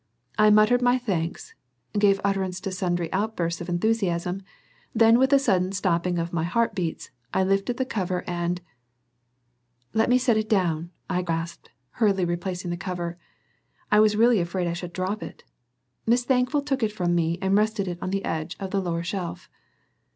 I muttered my thanks, gave utterance to sundry outbursts of enthusiasm, then with a sudden stopping of my heart beats, I lifted the cover and "Let me set it down," I gasped, hurriedly replacing the cover. I was really afraid I should drop it. Miss Thankful took it from me and rested it on the edge of the lower shelf.